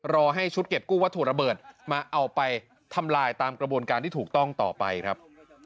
รอให้ชุดเก็บกู้วัตถุระเบิดมาเอาไปทำลายตามกระบวนการที่ถูกต้องต่อไปครับ